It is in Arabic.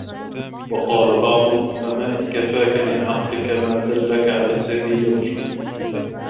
وَقَالَ بَعْضُ الْحُكَمَاءِ كَفَاك مِنْ عَقْلِك مَا دَلَّك عَلَى سَبِيلِ رُشْدِك